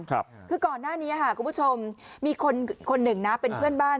คือก่อนหน้านี้ค่ะคุณผู้ชมมีคนคนหนึ่งนะเป็นเพื่อนบ้าน